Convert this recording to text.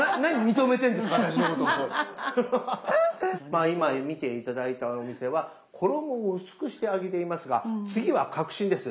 まあ今見て頂いたお店は衣を薄くして揚げていますが次は革新です。